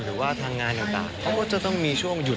หรือว่าทางงานต่างเขาก็จะต้องมีช่วงหยุด